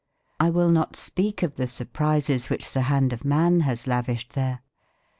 I will not speak of the surprises which the hand of man has lavished there.